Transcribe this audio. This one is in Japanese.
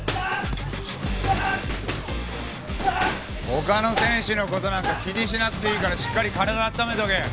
他の選手の事なんか気にしなくていいからしっかり体温めとけ！